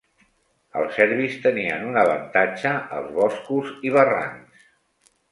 Els serbis tenien un avantatge als boscos i barrancs.